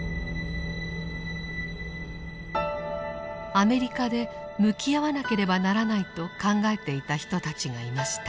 アメリカで向き合わなければならないと考えていた人たちがいました。